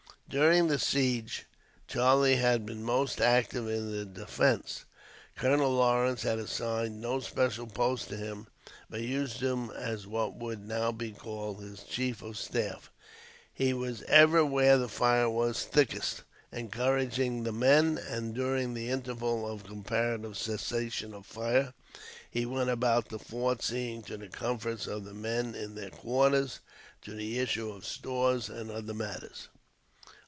During the siege, Charlie had been most active in the defence. Colonel Lawrence had assigned no special post to him, but used him as what would now be called his chief of the staff. He was ever where the fire was thickest, encouraging the men; and, during the intervals of comparative cessation of fire, he went about the fort, seeing to the comforts of the men in their quarters, to the issue of stores, and other matters.